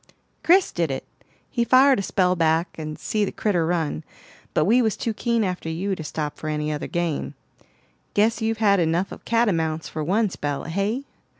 "Chris did it; he fired a spell back and see the critter run, but we was too keen after you to stop for any other game. Guess you've had enough of catamounts for one spell, hey?"